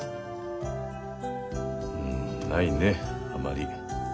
んないねあまり。